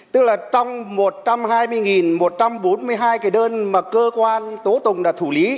tức là trong một trăm hai mươi một trăm bốn mươi hai cái đơn mà cơ quan tố tụng đã thủ lý